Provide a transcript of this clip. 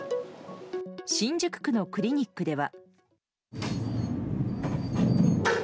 新宿区のクリニックでは。